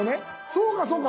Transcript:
「そうかそうか。